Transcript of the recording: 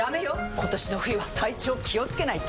今年の冬は体調気をつけないと！